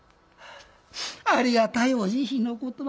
「ありがたいお慈悲の言葉